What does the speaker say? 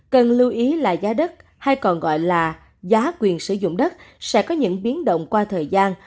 cần lưu ý là giá đất hay còn gọi là giá quyền sử dụng đất sẽ có những biến động qua thời gian